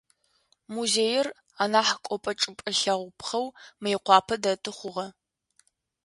Музеир анахь кӏопӏэ-чӏыпӏэ лъэгъупхъэу Мыекъуапэ дэты хъугъэ.